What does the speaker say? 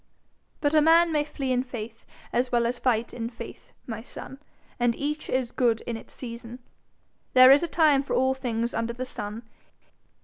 But a man may flee in faith as well as fight in faith, my son, and each is good in its season. There is a time for all things under the sun.